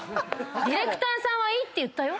「ディレクターさんはいいって言ったよ？」